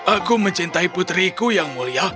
aku mencintai putriku yang mulia